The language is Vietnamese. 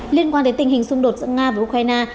liên quan đến tình hình xung đột giữa nga và ukraine